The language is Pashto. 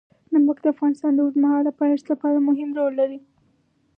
نمک د افغانستان د اوږدمهاله پایښت لپاره مهم رول لري.